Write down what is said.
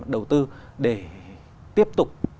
đầu tư để tiếp tục